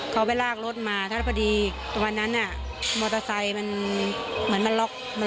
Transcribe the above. เขาไปลากรถมาถ้าพอดีวันนั้นมอเตอร์ไซค์มันเหมือนมันล็อก